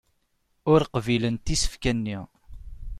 Ur qbilent isefka-nni.